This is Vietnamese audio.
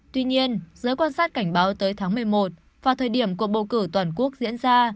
tuy nhiên giới quan sát cảnh báo tới tháng một mươi một và thời điểm cuộc bầu cử toàn quốc diễn ra